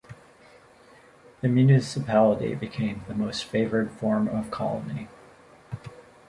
The municipality became the most favored form of colony.